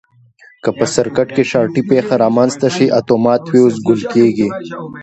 که په سرکټ کې د شارټي پېښه رامنځته شي اتومات فیوز ګل کېږي.